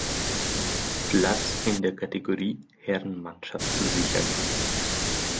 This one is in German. Platz in der Kategorie "Herren Mannschaft" zu sichern.